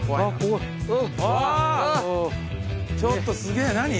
ちょっとすげぇ何？